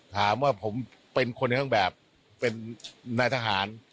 ถามว่าผมคนที่ต้องแบบเป็นนาทหาร